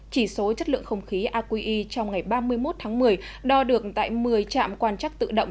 chỉ số chất lượng không khí aqi trong ngày ba mươi một tháng một mươi đo được tại một mươi trạm quan chắc tự động